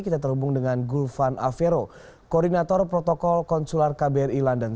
kita terhubung dengan gulvan avero koordinator protokol konsuler kbri london